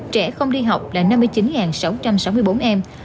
trẻ không đi học là năm mươi chín em